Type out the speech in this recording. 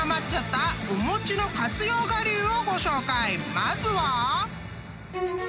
［まずは］